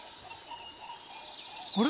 あれ？